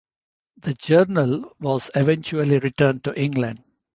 The journal was eventually returned to England.